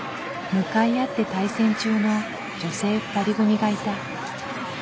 向かい合って対戦中の女性２人組がいた。